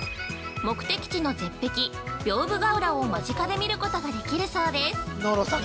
目的地の絶壁、屏風ヶ浦を間近で見ることができるそうです。